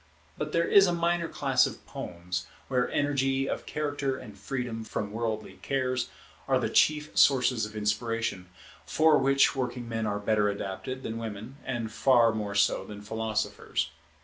But there is a minor class of poems, where energy of character and freedom from worldly cares are the chief sources of inspiration, for which working men are better adapted than women, and far more so than philosophers.